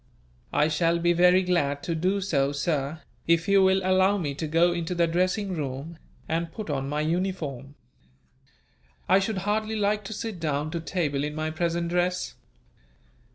"I shall be very glad to do so, sir, if you will allow me to go into the dressing room, and put on my uniform. I should hardly like to sit down to table in my present dress."